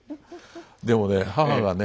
でもね母がね